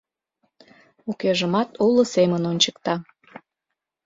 — Укежымат уло семын ончыкта...